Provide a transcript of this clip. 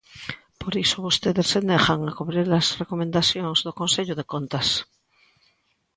Por iso vostedes se negan a cumprir as recomendacións do Consello de Contas.